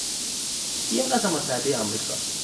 ایالات متحدهی امریکا